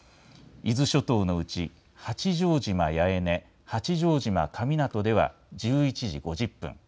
伊豆諸島のうち八丈島八重根、八丈島神湊では１１時５０分。